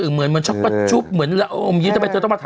เหมือนมันช็อกประจุบเหมือนโอ้มยินต้องมาถามทำไมครับ